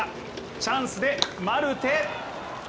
チャンスでマルテ！